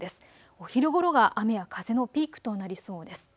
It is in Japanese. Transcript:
お昼ごろが雨や風のピークとなりそうです。